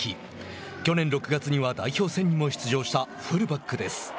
去年６月には代表戦にも出場したフルバックです。